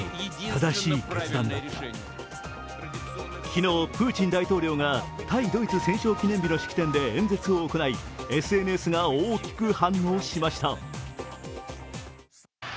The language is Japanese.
昨日、プーチン大統領が対ドイツ戦勝記念日の式典で演説を行い、ＳＮＳが大きく反応しました。